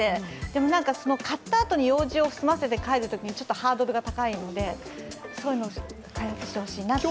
でも、買ったあとに用事を済ませて買えるとハードルが高いので、そういうのを開発してほしいなと。